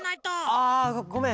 あごめん。